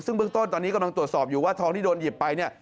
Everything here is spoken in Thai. ซึ่งเบื้องต้นตอนนี้กำลังตรวจสอบอยู่ว่าทองที่โดนหยิบไปเนี่ย